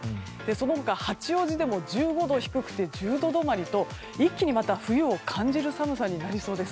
その他、八王子でも１５度低くて１５度止まりと一気にまた冬を感じる寒さになりそうです。